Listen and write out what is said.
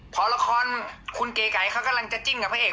พอละครคุณเก๋ไก่เขากำลังจะจิ้นกับพระเอก